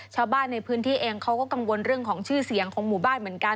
ชาวบ้านในพื้นที่เองเขาก็กังวลเรื่องของชื่อเสียงของหมู่บ้านเหมือนกัน